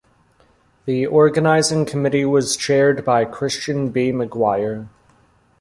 The organizing committee was chaired by Christian B. McGuire.